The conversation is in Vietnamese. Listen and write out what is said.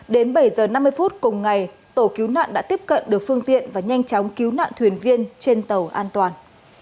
đến bảy h năm mươi phút cùng ngày tổ cứu nạn đã tiếp cận được phương tiện và nhanh chóng cứu nạn thuyền viên trên tàu an toàn